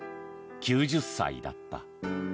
９０歳だった。